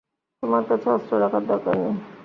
তোমার কাছে অস্ত্র রাখার দরকার নেই।